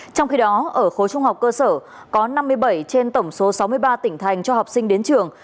trong khi đó ở khối trung học cơ sở có năm mươi bảy trên tổng số sáu mươi ba tỉnh thành cho học sinh đến trường